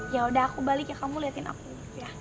yaudah aku balik ya kamu liatin aku ya